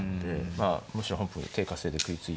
まあむしろ本譜手稼いで食いついて。